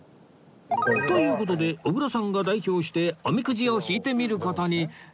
という事で小倉さんが代表しておみくじを引いてみる事に